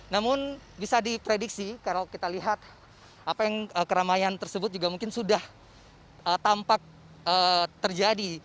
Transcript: namun bisa diprediksi kalau kita lihat apa yang keramaian tersebut juga mungkin sudah tampak terjadi